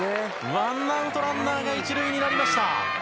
ワンアウトランナー１塁となりました。